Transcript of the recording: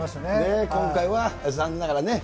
今回は残念ながらね。